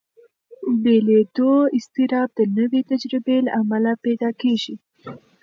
بېلېدو اضطراب د نوې تجربې له امله پیدا کېږي.